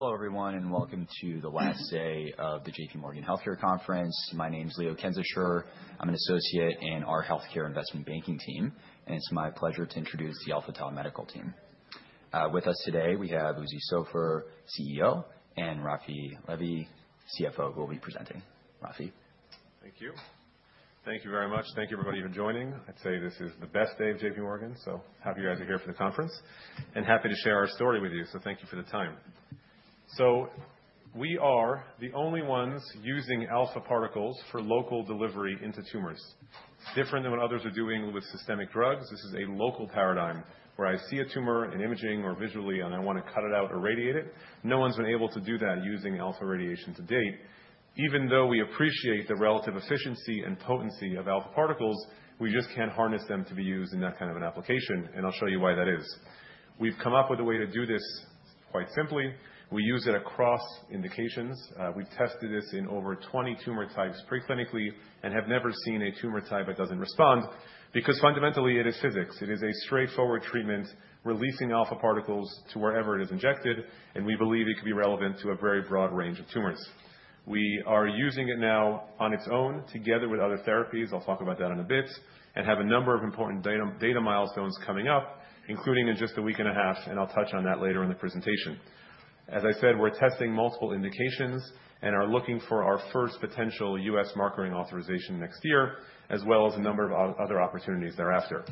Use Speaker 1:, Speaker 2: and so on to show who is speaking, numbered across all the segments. Speaker 1: Hello, everyone, and welcome to the last day of the J.P. Morgan Healthcare Conference. My name's Léo Kensicher. I'm an associate in our healthcare investment banking team, and it's my pleasure to introduce the Alpha Tau Medical team. With us today, we have Uzi Sofer, CEO, and Raphi Levy, CFO, who will be presenting. Uzi?
Speaker 2: Thank you. Thank you very much. Thank you, everybody, for joining. I'd say this is the best day of J.P. Morgan, so happy you guys are here for the conference, and happy to share our story with you, so thank you for the time. So we are the only ones using alpha particles for local delivery into tumors. It's different than what others are doing with systemic drugs. This is a local paradigm where I see a tumor in imaging or visually, and I want to cut it out or radiate it. No one's been able to do that using alpha radiation to date. Even though we appreciate the relative efficiency and potency of alpha particles, we just can't harness them to be used in that kind of an application, and I'll show you why that is. We've come up with a way to do this quite simply. We use it across indications. We've tested this in over 20 tumor types preclinically and have never seen a tumor type that doesn't respond because, fundamentally, it is physics. It is a straightforward treatment, releasing alpha particles to wherever it is injected, and we believe it could be relevant to a very broad range of tumors. We are using it now on its own, together with other therapies. I'll talk about that in a bit, and have a number of important data milestones coming up, including in just a week and a half, and I'll touch on that later in the presentation. As I said, we're testing multiple indications and are looking for our first potential U.S. marketing authorization next year, as well as a number of other opportunities thereafter.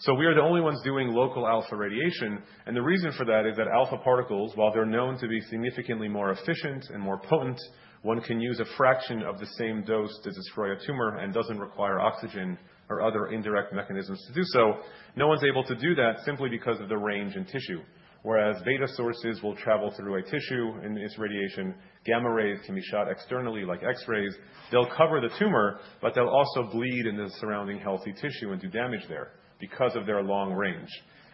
Speaker 2: So we are the only ones doing local alpha radiation, and the reason for that is that alpha particles, while they're known to be significantly more efficient and more potent, one can use a fraction of the same dose to destroy a tumor and doesn't require oxygen or other indirect mechanisms to do so. No one's able to do that simply because of the range in tissue. Whereas beta sources will travel through a tissue in its radiation, gamma rays can be shot externally like X-rays. They'll cover the tumor, but they'll also bleed into the surrounding healthy tissue and do damage there because of their long range.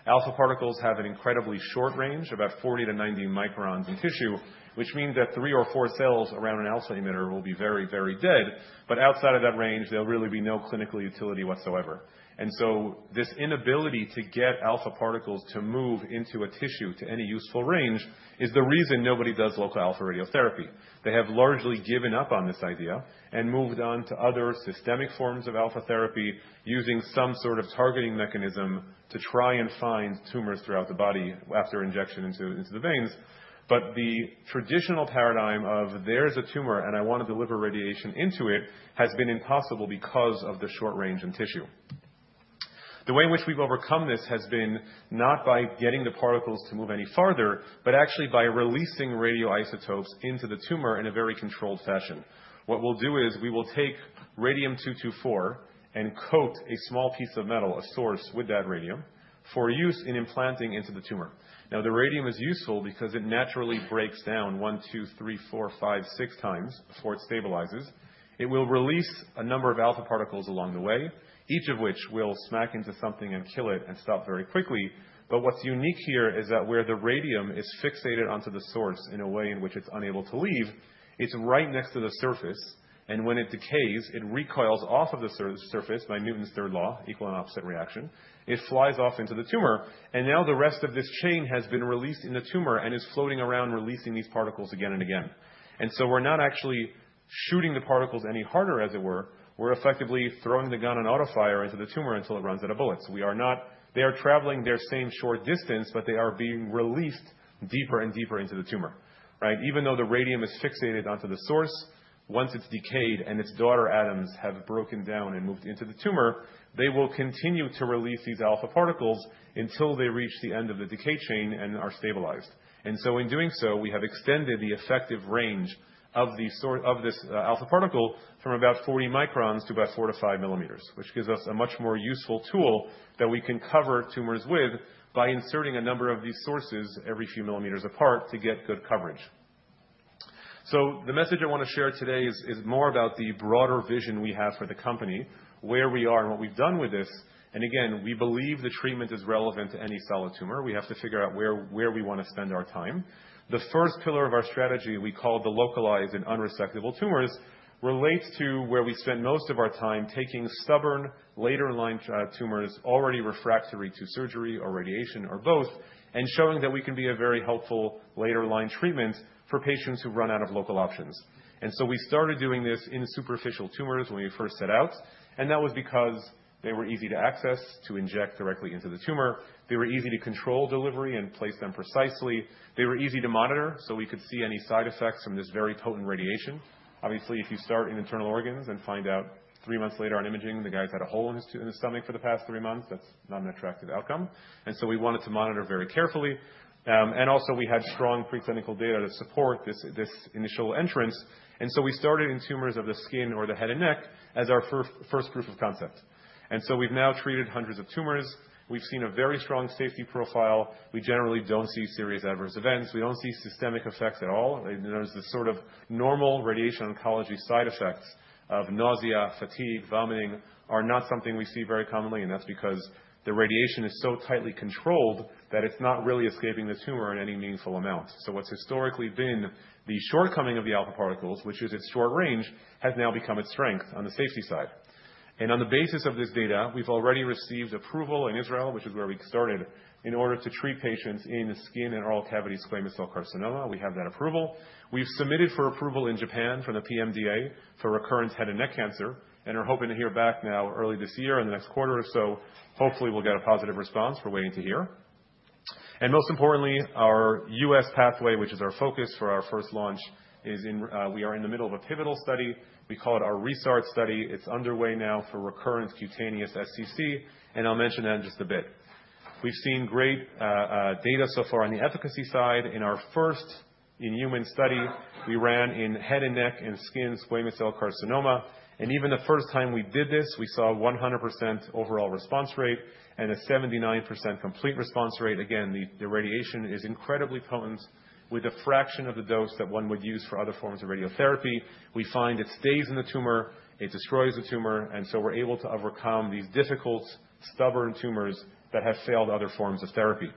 Speaker 2: Alpha particles have an incredibly short range, about 40-90 microns in tissue, which means that three or four cells around an alpha emitter will be very, very dead, but outside of that range, there'll really be no clinical utility whatsoever. This inability to get alpha particles to move into a tissue to any useful range is the reason nobody does local alpha radiotherapy. They have largely given up on this idea and moved on to other systemic forms of alpha therapy using some sort of targeting mechanism to try and find tumors throughout the body after injection into the veins. The traditional paradigm of, "There's a tumor, and I want to deliver radiation into it," has been impossible because of the short range in tissue. The way in which we've overcome this has been not by getting the particles to move any farther, but actually by releasing radioisotopes into the tumor in a very controlled fashion. What we'll do is we will take Radium-224 and coat a small piece of metal, a source, with that radium for use in implanting into the tumor. Now, the radium is useful because it naturally breaks down one, two, three, four, five, six times before it stabilizes. It will release a number of alpha particles along the way, each of which will smack into something and kill it and stop very quickly. But what's unique here is that where the radium is fixated onto the source in a way in which it's unable to leave, it's right next to the surface, and when it decays, it recoils off of the surface by Newton's third law, equal and opposite reaction. It flies off into the tumor, and now the rest of this chain has been released in the tumor and is floating around, releasing these particles again and again. And so we're not actually shooting the particles any harder, as it were. We're effectively throwing the gun on autofire into the tumor until it runs out of bullets. They are traveling their same short distance, but they are being released deeper and deeper into the tumor, right? Even though the radium is fixated onto the source, once it's decayed and its daughter atoms have broken down and moved into the tumor, they will continue to release these alpha particles until they reach the end of the decay chain and are stabilized, and so in doing so, we have extended the effective range of this alpha particle from about 40 microns to about 4-5 millimeters, which gives us a much more useful tool that we can cover tumors with by inserting a number of these sources every few millimeters apart to get good coverage, so the message I want to share today is more about the broader vision we have for the company, where we are and what we've done with this. Again, we believe the treatment is relevant to any solid tumor. We have to figure out where we want to spend our time. The first pillar of our strategy, we call the localized and unresectable tumors, relates to where we spend most of our time taking stubborn later-line tumors already refractory to surgery or radiation or both, and showing that we can be a very helpful later-line treatment for patients who run out of local options. So we started doing this in superficial tumors when we first set out, and that was because they were easy to access, to inject directly into the tumor. They were easy to control delivery and place them precisely. They were easy to monitor, so we could see any side effects from this very potent radiation. Obviously, if you start in internal organs and find out three months later on imaging the guy's had a hole in his stomach for the past three months, that's not an attractive outcome, and so we wanted to monitor very carefully, and also, we had strong preclinical data to support this initial entrance, and so we started in tumors of the skin or the head and neck as our first proof of concept, and so we've now treated hundreds of tumors. We've seen a very strong safety profile. We generally don't see serious adverse events. We don't see systemic effects at all. There's this sort of normal radiation oncology side effects of nausea, fatigue, vomiting that are not something we see very commonly, and that's because the radiation is so tightly controlled that it's not really escaping the tumor in any meaningful amount. What's historically been the shortcoming of the alpha particles, which is its short range, has now become its strength on the safety side. And on the basis of this data, we've already received approval in Israel, which is where we started, in order to treat patients in skin and oral cavity squamous cell carcinoma. We have that approval. We've submitted for approval in Japan from the PMDA for recurrent head and neck cancer and are hoping to hear back now early this year or in the next quarter or so. Hopefully, we'll get a positive response. We're waiting to hear. And most importantly, our U.S. pathway, which is our focus for our first launch, is. We are in the middle of a pivotal study. We call it our ReSTART study. It's underway now for recurrent cutaneous SCC, and I'll mention that in just a bit. We've seen great data so far on the efficacy side. In our first-in-human study, we ran in head and neck and skin squamous cell carcinoma, and even the first time we did this, we saw a 100% overall response rate and a 79% complete response rate. Again, the radiation is incredibly potent. With a fraction of the dose that one would use for other forms of radiotherapy, we find it stays in the tumor, it destroys the tumor, and so we're able to overcome these difficult, stubborn tumors that have failed other forms of therapy.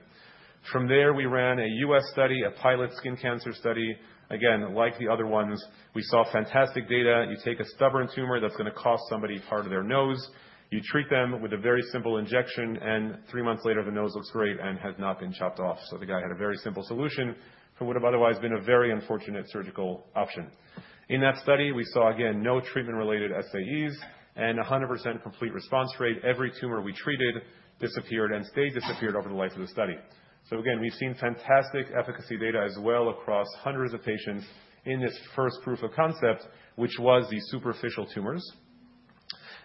Speaker 2: From there, we ran a U.S. study, a pilot skin cancer study. Again, like the other ones, we saw fantastic data. You take a stubborn tumor that's going to cost somebody part of their nose. You treat them with a very simple injection, and three months later, the nose looks great and has not been chopped off, so the guy had a very simple solution for what would have otherwise been a very unfortunate surgical option. In that study, we saw, again, no treatment-related SAEs and a 100% complete response rate. Every tumor we treated disappeared and stayed disappeared over the life of the study, so again, we've seen fantastic efficacy data as well across hundreds of patients in this first proof of concept, which was the superficial tumors,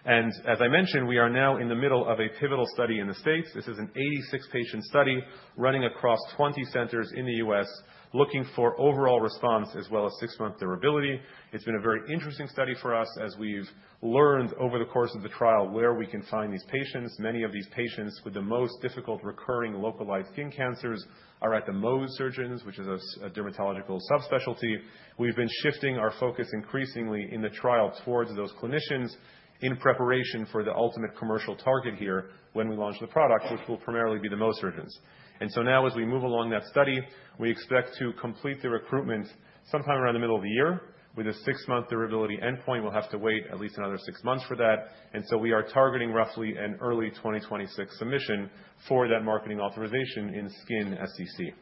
Speaker 2: and as I mentioned, we are now in the middle of a pivotal study in the States. This is an 86-patient study running across 20 centers in the U.S. looking for overall response as well as six-month durability. It's been a very interesting study for us as we've learned over the course of the trial where we can find these patients. Many of these patients with the most difficult recurring localized skin cancers are at the Mohs surgeons, which is a dermatological subspecialty. We've been shifting our focus increasingly in the trial towards those clinicians in preparation for the ultimate commercial target here when we launch the product, which will primarily be the Mohs surgeons, and so now, as we move along that study, we expect to complete the recruitment sometime around the middle of the year, with a six-month durability endpoint, we'll have to wait at least another six months for that, and so we are targeting roughly an early 2026 submission for that marketing authorization in skin SCC,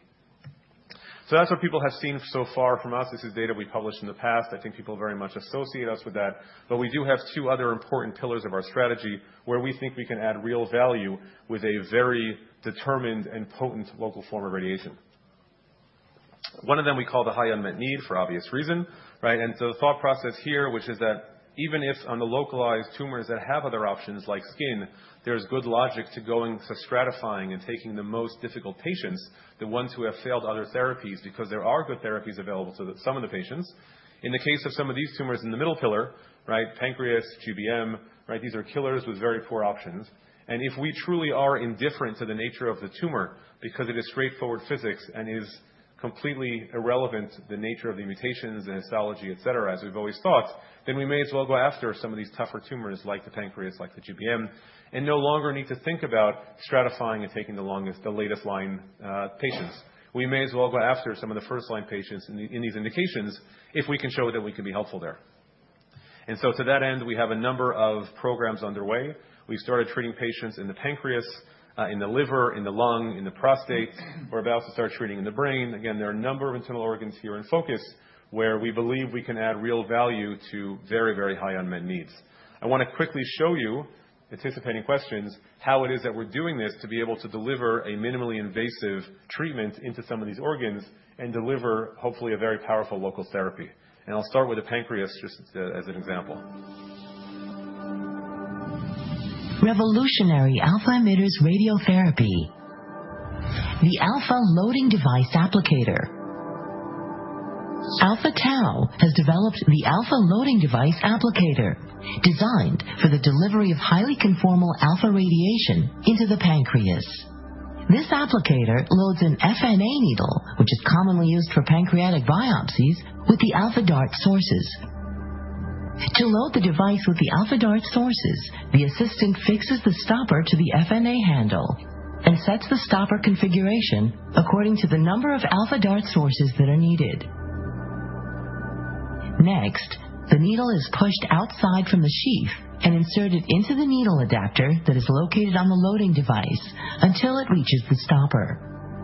Speaker 2: so that's what people have seen so far from us. This is data we published in the past. I think people very much associate us with that. But we do have two other important pillars of our strategy where we think we can add real value with a very determined and potent local form of radiation. One of them we call the high unmet need for obvious reason, right? And the thought process here, which is that even if on the localized tumors that have other options like skin, there's good logic to going so stratifying and taking the most difficult patients, the ones who have failed other therapies, because there are good therapies available to some of the patients. In the case of some of these tumors in the middle pillar, right, pancreas, GBM, right, these are killers with very poor options. If we truly are indifferent to the nature of the tumor because it is straightforward physics and is completely irrelevant, the nature of the mutations and histology, etc., as we've always thought, then we may as well go after some of these tougher tumors like the pancreas, like the GBM, and no longer need to think about stratifying and taking the last-line patients. We may as well go after some of the first-line patients in these indications if we can show that we can be helpful there. And so to that end, we have a number of programs underway. We've started treating patients in the pancreas, in the liver, in the lung, in the prostate. We're about to start treating in the brain. Again, there are a number of internal organs here in focus where we believe we can add real value to very, very high unmet needs. I want to quickly show you, anticipating questions, how it is that we're doing this to be able to deliver a minimally invasive treatment into some of these organs and deliver, hopefully, a very powerful local therapy, and I'll start with the pancreas just as an example. Revolutionary alpha emitters radiotherapy, the Alpha Loading Device Applicator. Alpha Tau has developed the Alpha Loading Device Applicator, designed for the delivery of highly conformal alpha radiation into the pancreas. This applicator loads an FNA needle, which is commonly used for pancreatic biopsies, with the Alpha DaRT sources. To load the device with the Alpha DaRT sources, the assistant fixes the stopper to the FNA handle and sets the stopper configuration according to the number of Alpha DaRT sources that are needed. Next, the needle is pushed outside from the sheath and inserted into the needle adapter that is located on the loading device until it reaches the stopper.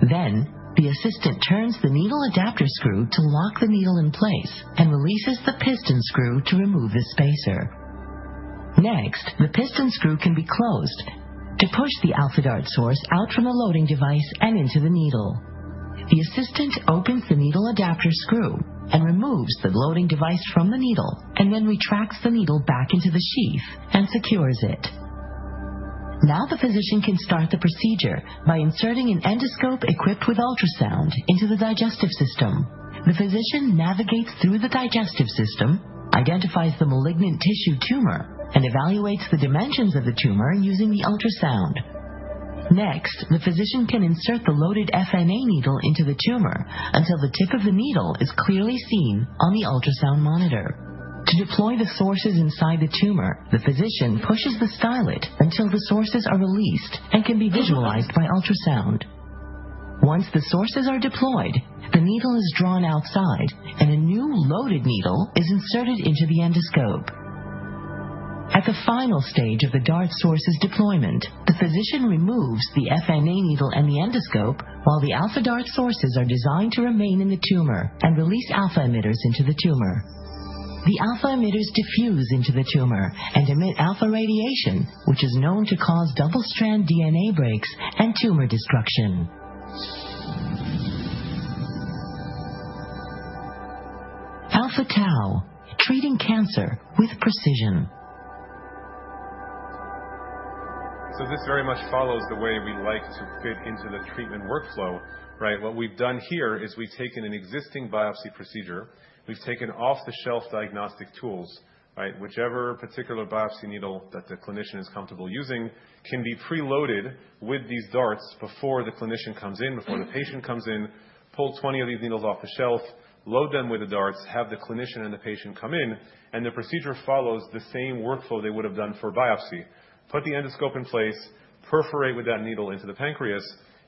Speaker 2: Then the assistant turns the needle adapter screw to lock the needle in place and releases the piston screw to remove the spacer. Next, the piston screw can be closed to push the Alpha DaRT source out from the loading device and into the needle. The assistant opens the needle adapter screw and removes the loading device from the needle and then retracts the needle back into the sheath and secures it. Now the physician can start the procedure by inserting an endoscope equipped with ultrasound into the digestive system. The physician navigates through the digestive system, identifies the malignant tissue tumor, and evaluates the dimensions of the tumor using the ultrasound. Next, the physician can insert the loaded FNA needle into the tumor until the tip of the needle is clearly seen on the ultrasound monitor. To deploy the sources inside the tumor, the physician pushes the stylet until the sources are released and can be visualized by ultrasound. Once the sources are deployed, the needle is drawn outside and a new loaded needle is inserted into the endoscope. At the final stage of the DaRT sources deployment, the physician removes the FNA needle and the endoscope while the Alpha DaRT sources are designed to remain in the tumor and release alpha emitters into the tumor. The alpha emitters diffuse into the tumor and emit alpha radiation, which is known to cause double-strand DNA breaks and tumor destruction. Alpha Tau, treating cancer with precision. So this very much follows the way we like to fit into the treatment workflow, right? What we've done here is we've taken an existing biopsy procedure. We've taken off-the-shelf diagnostic tools, right? Whichever particular biopsy needle that the clinician is comfortable using can be preloaded with these darts before the clinician comes in, before the patient comes in, pull 20 of these needles off the shelf, load them with the darts, have the clinician and the patient come in, and the procedure follows the same workflow they would have done for biopsy. Put the endoscope in place, perforate with that needle into the pancreas.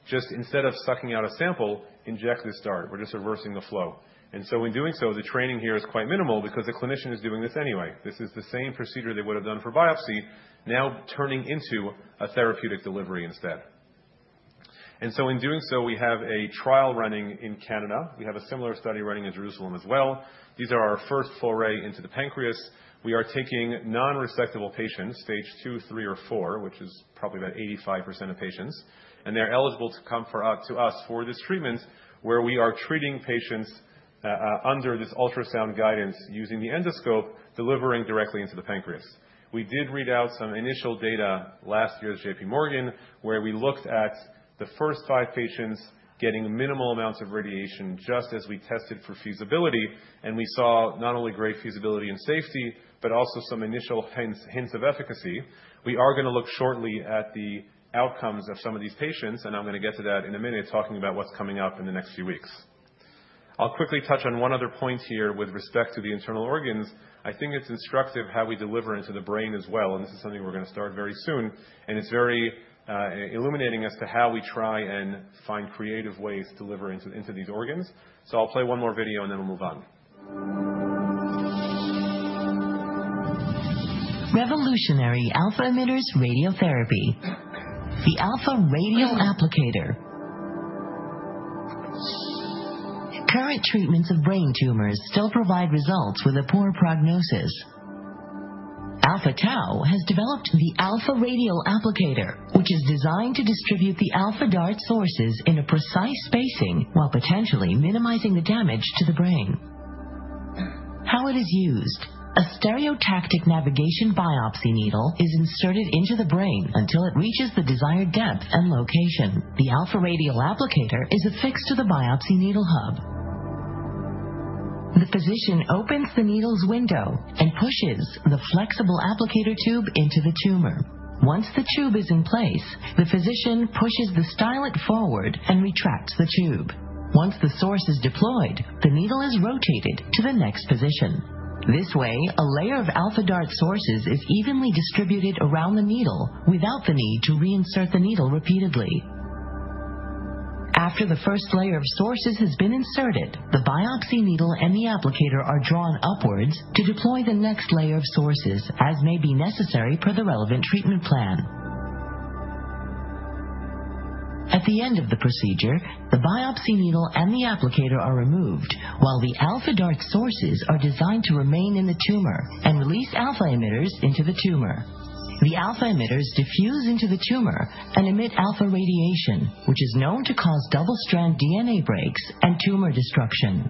Speaker 2: Just instead of sucking out a sample, inject this dart. We're just reversing the flow. And so in doing so, the training here is quite minimal because the clinician is doing this anyway. This is the same procedure they would have done for biopsy, now turning into a therapeutic delivery instead. And so in doing so, we have a trial running in Canada. We have a similar study running in Jerusalem as well. These are our first foray into the pancreas. We are taking unresectable patients, stage two, three, or four, which is probably about 85% of patients, and they're eligible to come to us for this treatment where we are treating patients under this ultrasound guidance using the endoscope, delivering directly into the pancreas. We did read out some initial data last year at J.P. Morgan where we looked at the first five patients getting minimal amounts of radiation just as we tested for feasibility, and we saw not only great feasibility and safety, but also some initial hints of efficacy. We are going to look shortly at the outcomes of some of these patients, and I'm going to get to that in a minute, talking about what's coming up in the next few weeks. I'll quickly touch on one other point here with respect to the internal organs. I think it's instructive how we deliver into the brain as well, and this is something we're going to start very soon, and it's very illuminating as to how we try and find creative ways to deliver into these organs. So I'll play one more video, and then we'll move on. Revolutionary Alpha-Emitters Radiotherapy, the Alpha Radium Applicator. Current treatments of brain tumors still provide results with a poor prognosis. Alpha Tau has developed the Alpha Radium Applicator, which is designed to distribute the Alpha DaRT sources in a precise spacing while potentially minimizing the damage to the brain. How it is used: A stereotactic navigation biopsy needle is inserted into the brain until it reaches the desired depth and location. The Alpha Radium Applicator is affixed to the biopsy needle hub. The physician opens the needle's window and pushes the flexible applicator tube into the tumor. Once the tube is in place, the physician pushes the stylet forward and retracts the tube. Once the source is deployed, the needle is rotated to the next position. This way, a layer of Alpha DaRT sources is evenly distributed around the needle without the need to reinsert the needle repeatedly. After the first layer of sources has been inserted, the biopsy needle and the applicator are drawn upwards to deploy the next layer of sources as may be necessary per the relevant treatment plan. At the end of the procedure, the biopsy needle and the applicator are removed while the Alpha DaRT sources are designed to remain in the tumor and release alpha emitters into the tumor. The alpha emitters diffuse into the tumor and emit alpha radiation, which is known to cause double-strand DNA breaks and tumor destruction.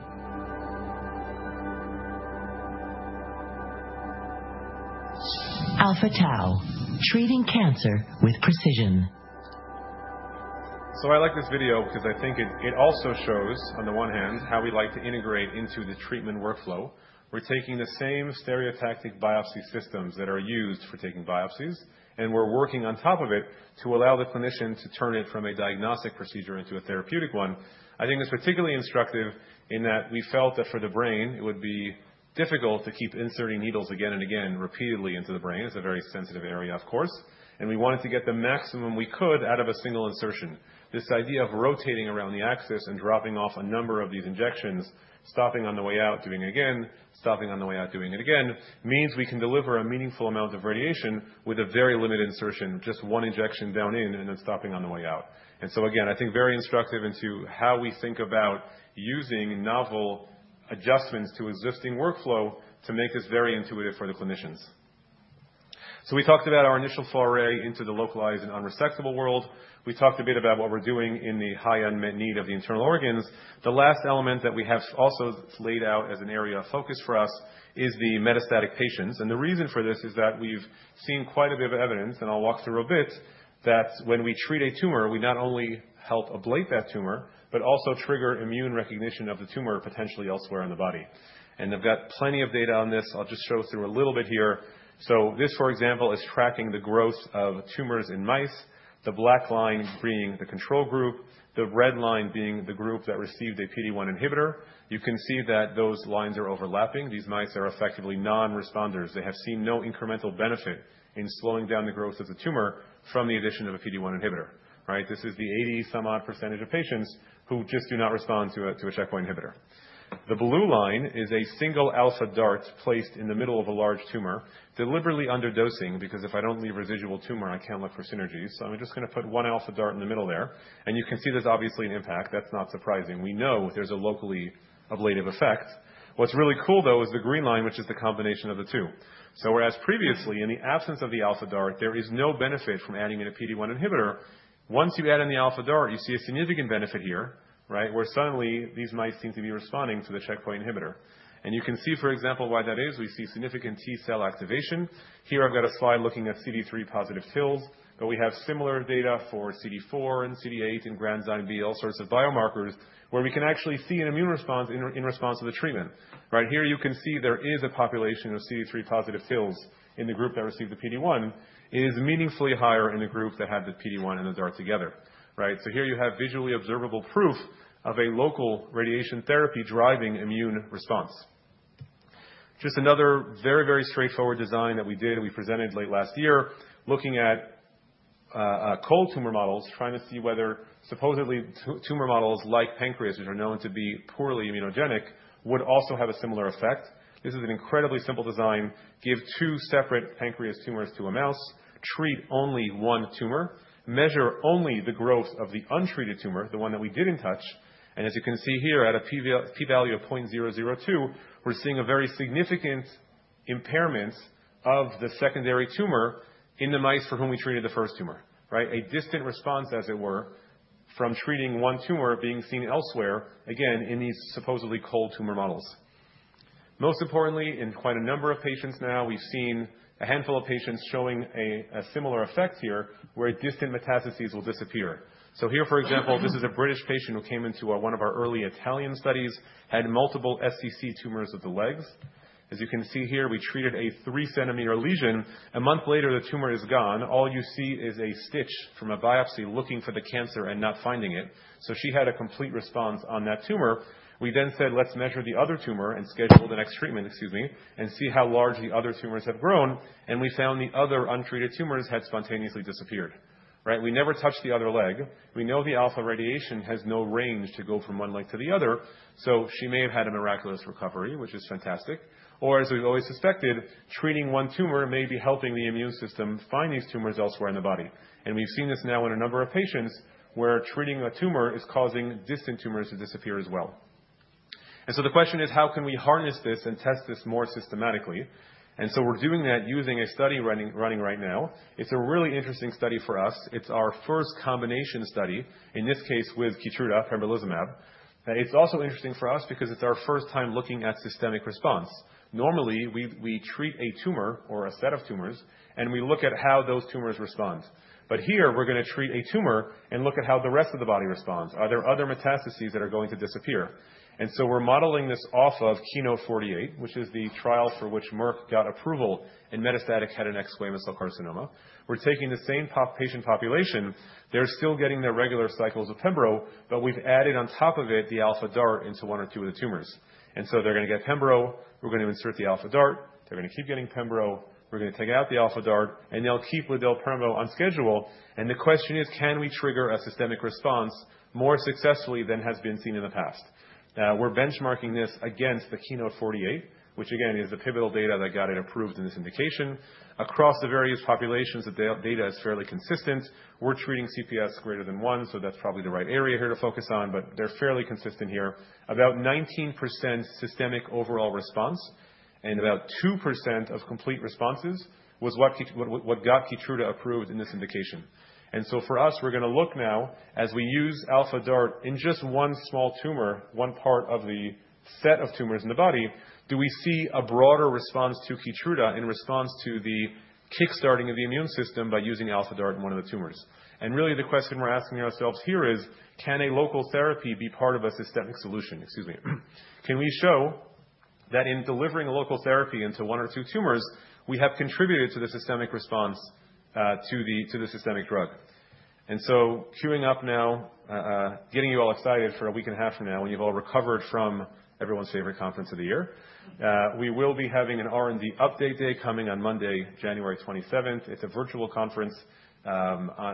Speaker 2: Alpha Tau, treating cancer with precision. So I like this video because I think it also shows, on the one hand, how we like to integrate into the treatment workflow. We're taking the same stereotactic biopsy systems that are used for taking biopsies, and we're working on top of it to allow the clinician to turn it from a diagnostic procedure into a therapeutic one. I think it's particularly instructive in that we felt that for the brain, it would be difficult to keep inserting needles again and again, repeatedly into the brain. It's a very sensitive area, of course, and we wanted to get the maximum we could out of a single insertion. This idea of rotating around the axis and dropping off a number of these injections, stopping on the way out, doing it again, stopping on the way out, doing it again, means we can deliver a meaningful amount of radiation with a very limited insertion, just one injection down in and then stopping on the way out. And so again, I think very instructive into how we think about using novel adjustments to existing workflow to make this very intuitive for the clinicians. So we talked about our initial foray into the localized and unresectable world. We talked a bit about what we're doing in the high unmet need of the internal organs. The last element that we have also laid out as an area of focus for us is the metastatic patients. And the reason for this is that we've seen quite a bit of evidence, and I'll walk through a bit, that when we treat a tumor, we not only help ablate that tumor but also trigger immune recognition of the tumor potentially elsewhere in the body. And I've got plenty of data on this. I'll just show through a little bit here. So this, for example, is tracking the growth of tumors in mice, the black line being the control group, the red line being the group that received a PD-1 inhibitor. You can see that those lines are overlapping. These mice are effectively non-responders. They have seen no incremental benefit in slowing down the growth of the tumor from the addition of a PD-1 inhibitor, right? This is the 80-some-odd% of patients who just do not respond to a checkpoint inhibitor. The blue line is a single Alpha DaRT placed in the middle of a large tumor, deliberately underdosing because if I don't leave residual tumor, I can't look for synergies. So I'm just going to put one Alpha DaRT in the middle there. And you can see there's obviously an impact. That's not surprising. We know there's a locally ablative effect. What's really cool, though, is the green line, which is the combination of the two. So whereas previously, in the absence of the Alpha DaRT, there is no benefit from adding in a PD-1 inhibitor, once you add in the Alpha DaRT, you see a significant benefit here, right, where suddenly these mice seem to be responding to the checkpoint inhibitor. And you can see, for example, why that is. We see significant T-cell activation. Here, I've got a slide looking at CD3-positive TILs, but we have similar data for CD4 and CD8 and Granzyme B, all sorts of biomarkers where we can actually see an immune response in response to the treatment. Right here, you can see there is a population of CD3-positive TILs in the group that received the PD-1 is meaningfully higher in the group that had the PD-1 and the DaRT together, right? So here you have visually observable proof of a local radiation therapy driving immune response. Just another very, very straightforward design that we did and we presented late last year, looking at cold tumor models, trying to see whether supposedly tumor models like pancreas, which are known to be poorly immunogenic, would also have a similar effect. This is an incredibly simple design: give two separate pancreas tumors to a mouse, treat only one tumor, measure only the growth of the untreated tumor, the one that we didn't touch, and as you can see here, at a p-value of 0.002, we're seeing a very significant impairment of the secondary tumor in the mice for whom we treated the first tumor, right? A distant response, as it were, from treating one tumor being seen elsewhere, again, in these supposedly cold tumor models. Most importantly, in quite a number of patients now, we've seen a handful of patients showing a similar effect here where distant metastases will disappear, so here, for example, this is a British patient who came into one of our early Italian studies, had multiple SCC tumors of the legs. As you can see here, we treated a 3-centimeter lesion. A month later, the tumor is gone. All you see is a stitch from a biopsy looking for the cancer and not finding it. So she had a complete response on that tumor. We then said, "Let's measure the other tumor and schedule the next treatment," excuse me, "and see how large the other tumors have grown." And we found the other untreated tumors had spontaneously disappeared, right? We never touched the other leg. We know the alpha radiation has no range to go from one leg to the other, so she may have had a miraculous recovery, which is fantastic. Or, as we've always suspected, treating one tumor may be helping the immune system find these tumors elsewhere in the body. And we've seen this now in a number of patients where treating a tumor is causing distant tumors to disappear as well. And so the question is, how can we harness this and test this more systematically? And so we're doing that using a study running right now. It's a really interesting study for us. It's our first combination study, in this case with Keytruda pembrolizumab. It's also interesting for us because it's our first time looking at systemic response. Normally, we treat a tumor or a set of tumors, and we look at how those tumors respond. But here, we're going to treat a tumor and look at how the rest of the body responds. Are there other metastases that are going to disappear? And so we're modeling this off of KEYNOTE-048, which is the trial for which Merck got approval in metastatic head and neck squamous cell carcinoma. We're taking the same patient population. They're still getting their regular cycles of pembrolizumab, but we've added on top of it the Alpha DaRT into one or two of the tumors. And so they're going to get pembrolizumab. We're going to insert the Alpha DaRT. They're going to keep getting pembrolizumab. We're going to take out the Alpha DaRT, and they'll keep with their pembrolizumab on schedule. And the question is, can we trigger a systemic response more successfully than has been seen in the past? Now, we're benchmarking this against the KEYNOTE-048, which, again, is the pivotal data that got it approved in this indication. Across the various populations, the data is fairly consistent. We're treating CPS greater than one, so that's probably the right area here to focus on, but they're fairly consistent here. About 19% systemic overall response and about 2% of complete responses was what got Keytruda approved in this indication. And so for us, we're going to look now, as we use Alpha DaRT in just one small tumor, one part of the set of tumors in the body, do we see a broader response to Keytruda in response to the kickstarting of the immune system by using Alpha DaRT in one of the tumors? And really, the question we're asking ourselves here is, can a local therapy be part of a systemic solution? Excuse me. Can we show that in delivering a local therapy into one or two tumors, we have contributed to the systemic response to the systemic drug? And so queuing up now, getting you all excited for a week and a half from now when you've all recovered from everyone's favorite conference of the year, we will be having an R&D update day coming on Monday, January 27th. It's a virtual conference at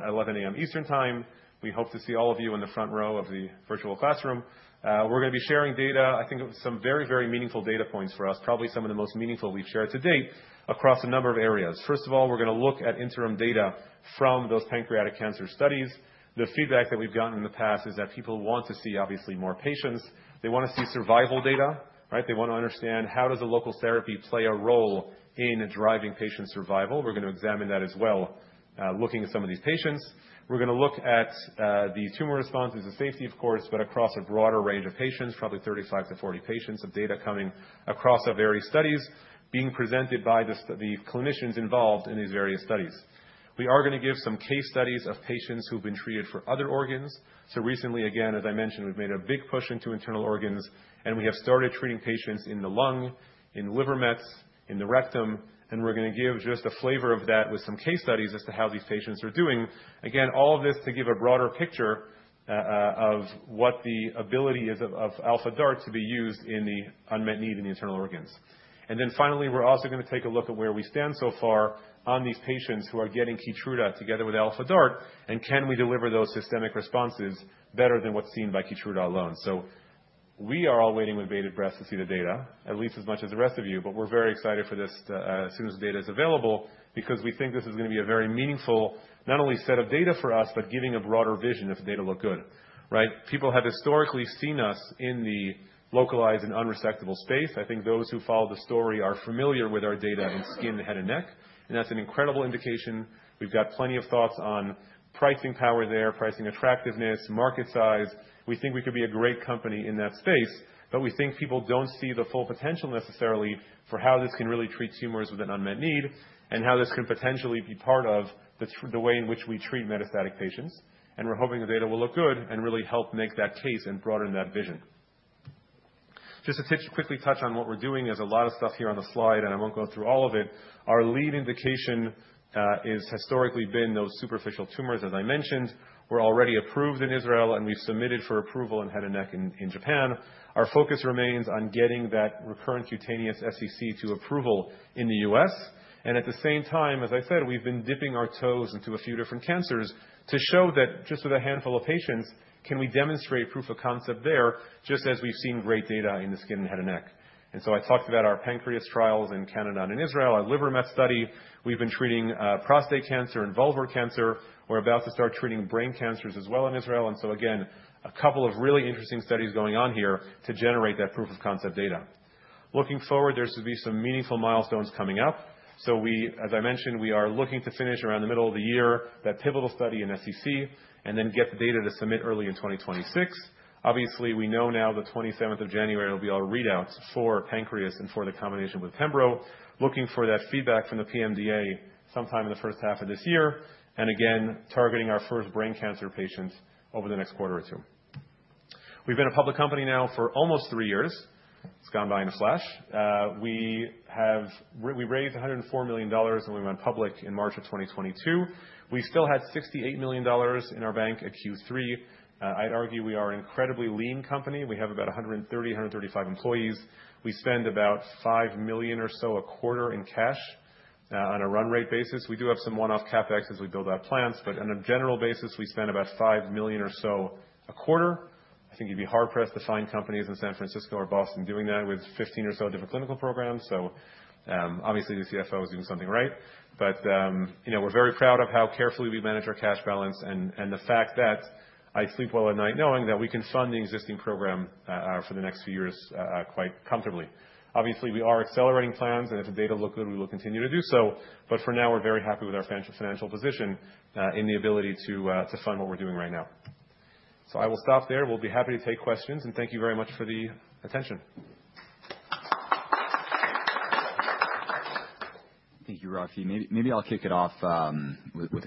Speaker 2: 11:00 A.M. Eastern Time. We hope to see all of you in the front row of the virtual classroom. We're going to be sharing data, I think, some very, very meaningful data points for us, probably some of the most meaningful we've shared to date across a number of areas. First of all, we're going to look at interim data from those pancreatic cancer studies. The feedback that we've gotten in the past is that people want to see, obviously, more patients. They want to see survival data, right? They want to understand how does a local therapy play a role in driving patient survival. We're going to examine that as well, looking at some of these patients. We're going to look at the tumor responses and safety, of course, but across a broader range of patients, probably 35 to 40 patients of data coming across our various studies being presented by the clinicians involved in these various studies. We are going to give some case studies of patients who've been treated for other organs. So recently, again, as I mentioned, we've made a big push into internal organs, and we have started treating patients in the lung, in liver mets, in the rectum, and we're going to give just a flavor of that with some case studies as to how these patients are doing. Again, all of this to give a broader picture of what the ability is of Alpha DaRT to be used in the unmet need in the internal organs. And then finally, we're also going to take a look at where we stand so far on these patients who are getting Keytruda together with Alpha DaRT, and can we deliver those systemic responses better than what's seen by Keytruda alone? So we are all waiting with bated breath to see the data, at least as much as the rest of you, but we're very excited for this as soon as the data is available because we think this is going to be a very meaningful, not only set of data for us, but giving a broader vision if the data look good, right? People have historically seen us in the localized and unresectable space. I think those who follow the story are familiar with our data in skin, head, and neck, and that's an incredible indication. We've got plenty of thoughts on pricing power there, pricing attractiveness, market size. We think we could be a great company in that space, but we think people don't see the full potential necessarily for how this can really treat tumors with an unmet need and how this can potentially be part of the way in which we treat metastatic patients, and we're hoping the data will look good and really help make that case and broaden that vision. Just to quickly touch on what we're doing, there's a lot of stuff here on the slide, and I won't go through all of it. Our lead indication has historically been those superficial tumors, as I mentioned. We're already approved in Israel, and we've submitted for approval in head and neck in Japan. Our focus remains on getting that recurrent cutaneous SCC to approval in the U.S. And at the same time, as I said, we've been dipping our toes into a few different cancers to show that just with a handful of patients, can we demonstrate proof of concept there just as we've seen great data in the skin and head and neck? And so I talked about our pancreas trials in Canada and in Israel, our liver mets study. We've been treating prostate cancer and vulvar cancer. We're about to start treating brain cancers as well in Israel. And so again, a couple of really interesting studies going on here to generate that proof of concept data. Looking forward, there's going to be some meaningful milestones coming up. So we, as I mentioned, we are looking to finish around the middle of the year that pivotal study in SCC and then get the data to submit early in 2026. Obviously, we know now the 27th of January will be our readout for pancreas and for the combination with pembrolizumab, looking for that feedback from the PMDA sometime in the first half of this year, and again, targeting our first brain cancer patients over the next quarter or two. We've been a public company now for almost three years. It's gone by in a flash. We raised $104 million, and we went public in March of 2022. We still had $68 million in our bank at Q3. I'd argue we are an incredibly lean company. We have about 130-135 employees. We spend about $5 million or so a quarter in cash on a run rate basis. We do have some one-off CapEx as we build out plants, but on a general basis, we spend about $5 million or so a quarter. I think you'd be hard-pressed to find companies in San Francisco or Boston doing that with 15 or so different clinical programs, so obviously, the CFO is doing something right, but we're very proud of how carefully we manage our cash balance and the fact that I sleep well at night knowing that we can fund the existing program for the next few years quite comfortably. Obviously, we are accelerating plans, and if the data look good, we will continue to do so, but for now, we're very happy with our financial position in the ability to fund what we're doing right now, so I will stop there. We'll be happy to take questions, and thank you very much for the attention.
Speaker 1: Thank you, Uzi. Maybe I'll kick it off with.